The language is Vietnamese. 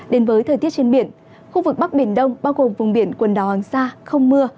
đến với thời tiết trên biển khu vực bắc biển đông bao gồm vùng biển quần đảo hoàng sa không mưa